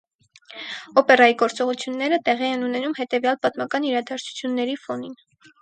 Օպերայի գործողությունները տեղի են ունենում հետևյալ պատմական իրադարձությունների ֆոնին։